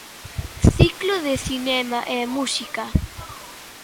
Ciclo de cinema e música.